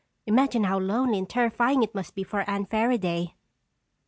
Imagine how lonely and terrifying it must be for Anne Fairaday!"